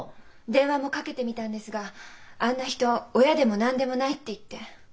電話もかけてみたんですが「あんな人親でも何でもない」って言って。